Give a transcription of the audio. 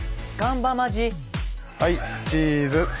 はいチーズ！